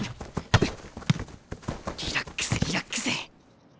リラックスリラックス。